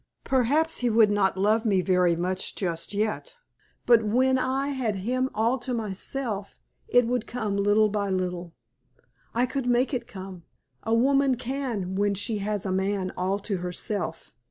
Perhaps he would not love me very much just yet, but when I had him all to myself it would come little by little. I could make it come; a woman can when she has a man all to herself.